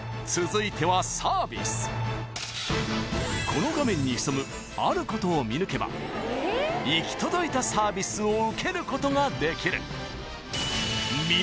［この画面に潜むあることを見抜けば行き届いたサービスを受けることができる］